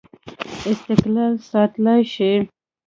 استقلال ساتلای شي.